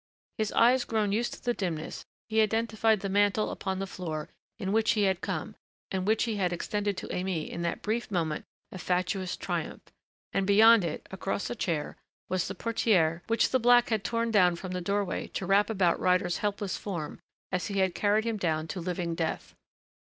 His eyes grown used to the dimness he identified the mantle upon the floor in which he had come and which he had extended to Aimée in that brief moment of fatuous triumph, and beyond it, across a chair, was the portière which the black had torn down from the doorway to wrap about Ryder's helpless form as he had carried him down to living death.